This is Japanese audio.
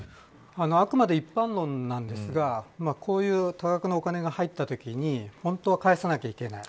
あくまで一般論なんですがこういう多額のお金が入ったときに本当は返さなきゃいけない。